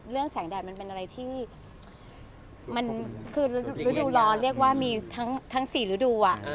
แสงแดดมันเป็นอะไรที่มันคือฤดูร้อนเรียกว่ามีทั้ง๔ฤดู